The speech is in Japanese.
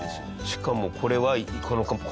しかもこれは。